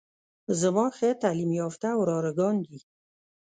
زما ښه تعليم يافته وراره ګان دي.